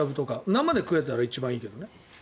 生で食えたら一番いいけどね。